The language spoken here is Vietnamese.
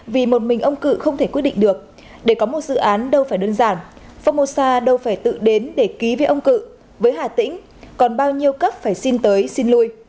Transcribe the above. vì một mình ông cự không thể quyết định được để có một dự án đâu phải đơn giản formosa đâu phải tự đến để ký với ông cự với hà tĩnh còn bao nhiêu cấp phải xin tới xin lui